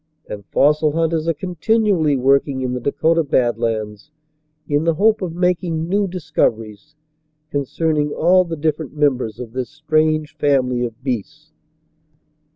And 104 MIGHTY ANIMALS fossil hunters are continually working in the Dakota Bad Lands in the hope of making new discoveries concerning all the different members of this strange family of beasts.